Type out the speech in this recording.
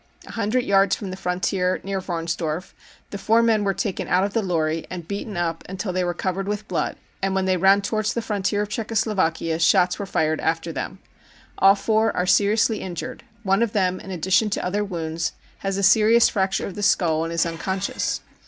A hundred yards from the frontier near Warnsdorf the four men were 4:aken out of the lorry and beaten up until they were covered with blood, and when they ran towards the frontier of Czechoslovakia shots were fired after them. Ail four are seriously injured ; one of them, in addition to other wounds, has a serious fracture of the skull and is unconscious.